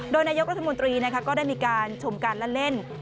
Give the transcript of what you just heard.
โดยนายกรัฐมนตรีก็ได้มีการชมการละเล่น